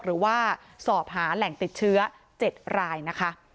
หรือว่าสอบหาแหล่งติดเชื้อ๗รายนะคะ